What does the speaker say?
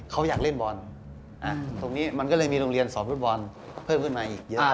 เขาอยากเล่นบอลตรงนี้มันก็เลยมีโรงเรียนสอนฟุตบอลเพิ่มขึ้นมาอีกเยอะ